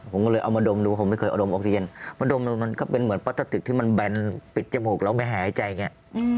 ผมก็เลยเอามาดมดูผมไม่เคยเอาดมออกซิเจนเพราะดมมันก็เป็นเหมือนพลาสติกที่มันแบนปิดจมูกแล้วไม่หายใจอย่างนี้